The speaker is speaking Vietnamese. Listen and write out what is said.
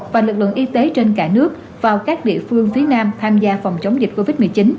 và lực lượng y tế trên cả nước vào các địa phương phía nam tham gia phòng chống dịch covid một mươi chín